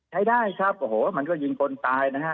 ใช้ได้ครับโอ้โหมันก็ยิงคนตายนะฮะ